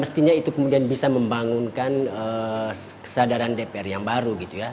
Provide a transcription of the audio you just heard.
mestinya itu kemudian bisa membangunkan kesadaran dpr yang baru gitu ya